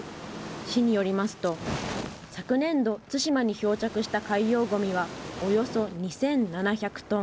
市によりますと、昨年度、対馬に漂着した海洋ごみはおよそ２７００トン。